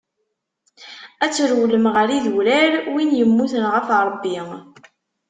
Ad trewlem ɣer yidurar, win yemmuten ɣef Ṛebbi.